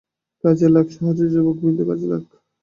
কাজে লাগ, সাহসী যুবকবৃন্দ, কাজে লাগ।